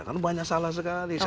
kan banyak salah sekali